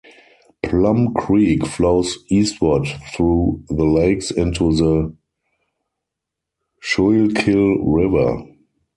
Plum Creek flows eastward through the lakes into the Schuylkill River.